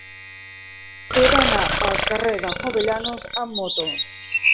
He d'anar al carrer de Jovellanos amb moto.